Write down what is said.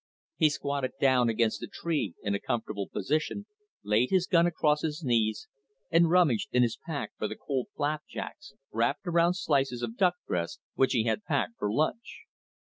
He squatted down against a tree in a comfortable position, laid his gun across his knees, and rummaged in his pack for the cold flapjacks, wrapped around slices of duck breast, which he had packed for lunch.